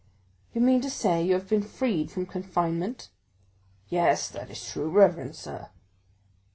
"You mean to say you have been freed from confinement?" "Yes, that is true, reverend sir."